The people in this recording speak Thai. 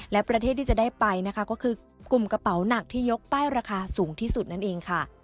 และประเทศที่จะได้ไปนะคะก็คือกลุ่มกระเป๋าหนักที่ยกป้ายราคาสูงที่สุดนั่นเองค่ะ